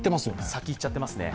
先いっちゃってますね。